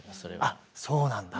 あそうなんだ。